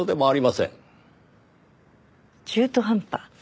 中途半端？